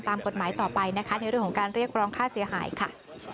ตามกฎหมายต่อไปนะคะในเรื่องของการเรียกร้องค่าเสียหายค่ะ